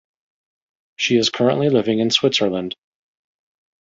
She is currently living in Switzerland.